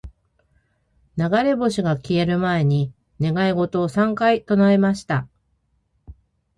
•流れ星が消える前に、願い事を三回唱えました。